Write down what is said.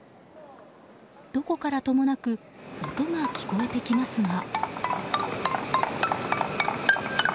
どこからともなく音が聞こえてきますが。